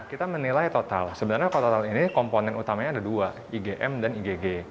kita menilai total sebenarnya total ini komponen utamanya ada dua igm dan igg